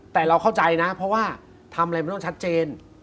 แต่เราเข้าใจนะเพราะว่าทำอะไรมันต้องชัดเจน